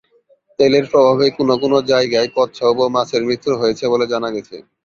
তেলের প্রভাবে কোনও কোনও জায়গায় কচ্ছপ ও মাছের মৃত্যু হয়েছে বলে জানা গেছে।.